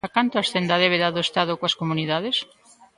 A canto ascende a débeda do Estado coas comunidades?